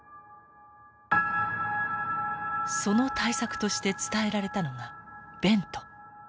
その対策として伝えられたのがベント。